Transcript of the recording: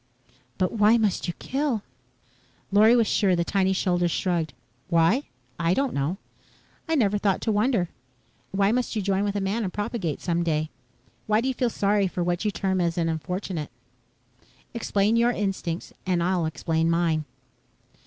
"But why must you kill?" Lorry was sure the tiny shoulders shrugged. "Why? I don't know. I never thought to wonder. Why must you join with a man and propagate some day? Why do you feel sorry for what you term an unfortunate? Explain your instincts and I'll explain mine."